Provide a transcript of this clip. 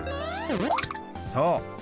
そう。